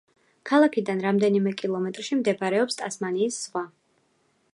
ქალაქიდან რამდენიმე კილომეტრში მდებარეობს ტასმანიის ზღვა.